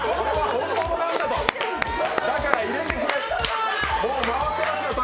本物だから入れてくれと。